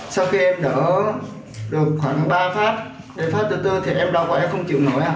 sau khi em đỡ được khoảng ba phát ba phát từ từ thì em đau quá em không chịu nổi